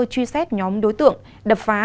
truy xét nhóm đối tượng đập phá